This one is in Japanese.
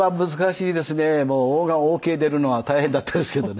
「を」がオーケー出るのは大変だったですけどね。